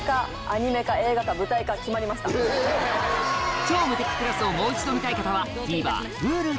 『超無敵クラス』をもう一度見たい方はＴＶｅｒＨｕｌｕで